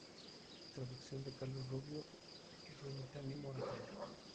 Traducción de Carlos Rubio y Rumi Tani Moratalla.